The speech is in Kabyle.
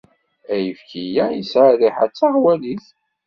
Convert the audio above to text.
Ayefki-a yesɛa rriḥa d taɣwalit.